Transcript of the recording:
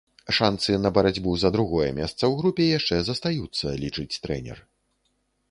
Шанцы на барацьбу за другое месца ў групе яшчэ застаюцца, лічыць трэнер.